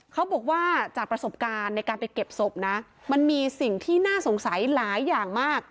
เขาบอกว่าจากประสบการณ์ในการไปเก็บศพนะมันมีสิ่งที่น่าสงสัยหลายอย่างมาก